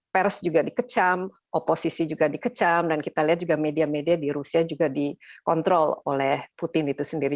pers juga dikecam oposisi juga dikecam dan kita lihat juga media media di rusia juga dikontrol oleh putin itu sendiri